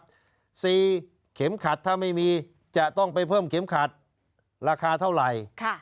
เข็มขัดถ้าไม่มีจะต้องไปเพิ่มเข็มขัดราคาเท่าไหร่